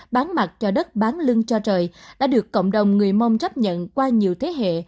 bán mặt cho đất bán lưng cho trời đã được cộng đồng người mông chấp nhận qua nhiều thế hệ